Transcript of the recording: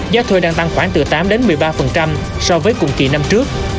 giá thuê đang tăng khoảng từ tám một mươi ba so với cùng kỳ năm trước